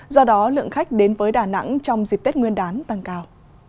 do đó lượng khách đến với đà nẵng trong dịp tết nguyên đán tăng cao